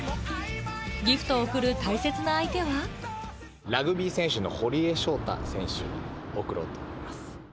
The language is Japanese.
ギフトを贈る大切な相手はラグビー選手の堀江翔太選手に贈ろうと思います。